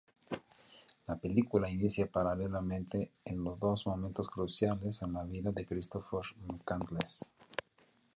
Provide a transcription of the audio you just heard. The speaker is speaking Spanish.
La película inicia paralelamente en dos momentos cruciales en la vida de Christopher McCandless.